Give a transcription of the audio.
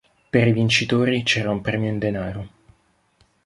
Per i vincitori c'era un premio in denaro.